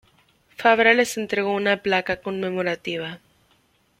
Fabra les entregó una placa conmemorativa.